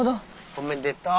おめでとう！